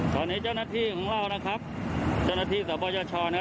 ตอนนี้เจ้าหน้าที่ของเรานะครับเจ้าหน้าที่สปชนะครับ